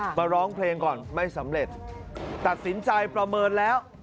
มาร้องเพลงก่อนไม่สำเร็จตัดสินใจประเมินแล้ว